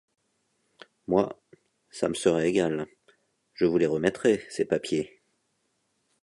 Moi, ça me serait égal, je vous les remettrais, ces papiers.